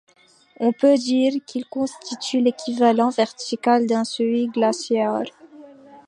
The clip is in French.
On peut dire qu'ils constituent l'équivalent vertical d'un seuil glaciaire.